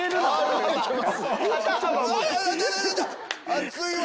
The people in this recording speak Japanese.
熱いわ！